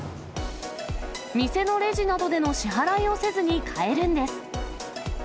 店のレジなどでの支払いをせずに買えるんです。